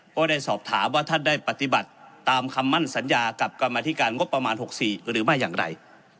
ก็ได้สอบถามว่าท่านได้ปฏิบัติตามคำมั่นสัญญากับกรรมธิการงบประมาณ๖๔หรือไม่อย่างไร